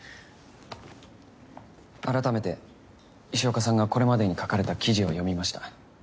改めて石岡さんがこれまでに書かれた記事を読みました。